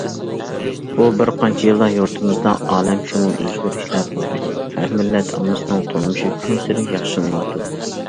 بۇ بىر قانچە يىلدا يۇرتىمىزدا ئالەمشۇمۇل ئۆزگىرىشلەر بولدى، ھەر مىللەت ئاممىسىنىڭ تۇرمۇشى كۈنسېرى ياخشىلىنىۋاتىدۇ.